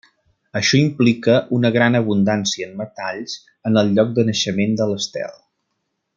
Això implica una gran abundància en metalls en el lloc de naixement de l'estel.